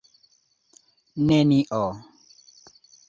nenio